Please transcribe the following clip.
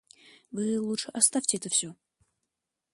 Вы лучше оставьте это всё.